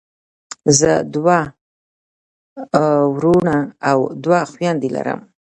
زه دوه وروڼه او دوه خویندی لرم.